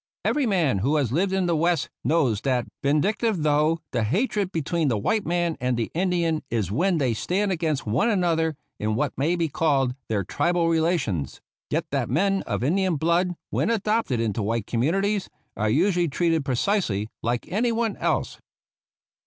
Every man who has lived in the West knows that, vindictive though the hatred between the white man and the Indian is when they stand against one another in what may be called their tribal relations, yet that men of Indian blood, when adopted into white communi ties, are usually treated precisely like anyone else.